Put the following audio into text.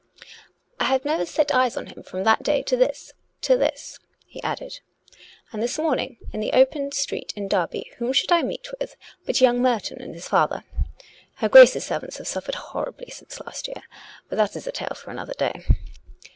" I have never set eyes on him from that day to this — to this," he added. " And this morning in the open street in Derby whom should I meet with but young Merton and his father. (Her Grace's servants have suffered horribly since last year. But that is a tale for another day.)